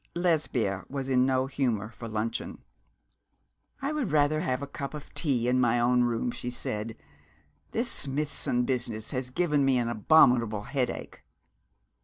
Lesbia was in no humour for luncheon. 'I would rather have a cup of tea in my own room,' she said. 'This Smithson business has given me an abominable headache.'